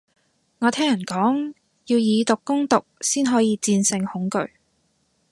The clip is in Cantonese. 我聽人講，要以毒攻毒先可以戰勝恐懼